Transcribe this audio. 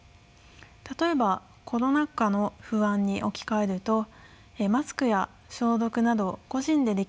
例えばコロナ禍の不安に置き換えるとマスクや消毒など個人でできる感染対策